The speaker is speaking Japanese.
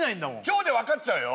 今日で分かっちゃうよ